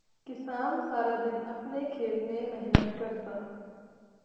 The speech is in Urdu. کسان سارا دن اپنے کھیت میں محنت کرتا